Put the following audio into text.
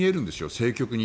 政局に。